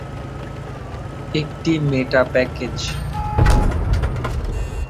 একটি meta package.